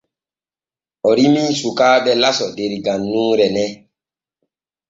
O rimii sukaaɓe laso der gannuure ne.